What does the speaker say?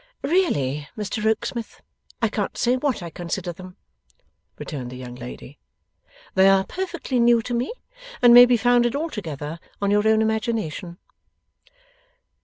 'Really, Mr Rokesmith, I can't say what I consider them,' returned the young lady. 'They are perfectly new to me, and may be founded altogether on your own imagination.